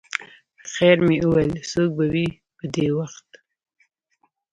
خیر مې وویل څوک به وي په دې وخت.